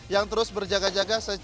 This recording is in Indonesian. yang terus berjaga jaga